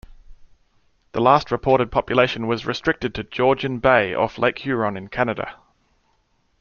The last reported population was restricted to Georgian Bay off Lake Huron in Canada.